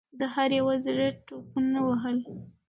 د هر یوه زړه ټوپونه وهل.